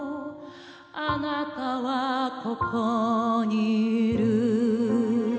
「あなたはここにいる」